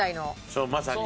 そうまさに。